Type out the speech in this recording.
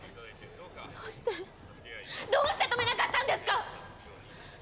どうしてどうして止めなかったんですか！